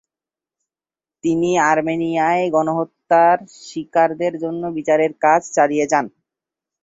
তিনি আর্মেনিয়ায় গণহত্যার শিকারদের জন্য বিচারের জন্য কাজ চালিয়ে যান।